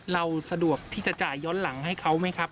เราสะดวกที่จะจ่ายย้อนหลังให้เขาไหมครับ